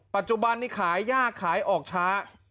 ปัจจุบันนี้ขายยากขายออกช้า